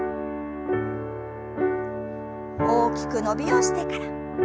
大きく伸びをしてから。